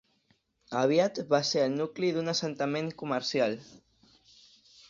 Aviat va ser el nucli d'un assentament comercial.